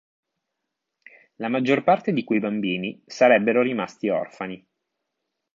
La maggior parte di quei bambini sarebbero rimasti orfani.